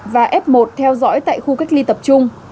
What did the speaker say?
và f một theo dõi tại khu cách ly tập trung